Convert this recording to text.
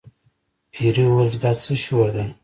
پیري وویل چې دا څه شور دی.